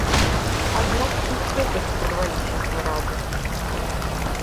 Аднак і ў крэпасці рваліся снарады.